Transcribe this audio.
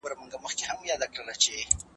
روحانیون د خلکو د ذهني ارامتیا لامل ګرځي.